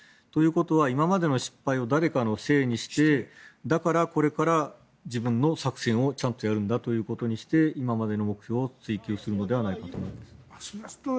ということは今までの失敗を誰かのせいにしてだからこれから自分の作戦をちゃんとやるんだということにして今までの目標を追及するのではないかと思います。